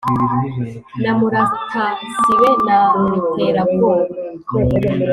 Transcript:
na muratasibe na ruterabwoba